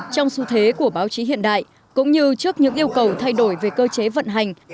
trong xu thế của báo chí hiện đại cũng như trước những yêu cầu thay đổi về cơ chế vận hành